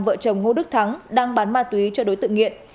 vợ chồng ngô đức thắng đang bán ma túy cho đối tượng nghiện